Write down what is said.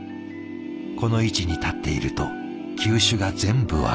この位置に立っていると球種が全部分かる。